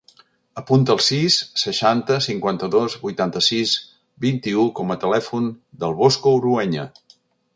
Apunta el sis, seixanta, cinquanta-dos, vuitanta-sis, vint-i-u com a telèfon del Bosco Urueña.